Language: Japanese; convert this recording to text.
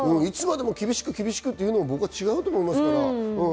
いつまでも厳しくっていうのも僕は違うと思います。